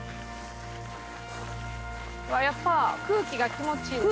やっぱ空気が気持ちいいですね。